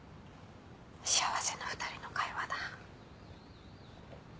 幸せな２人の会話だ。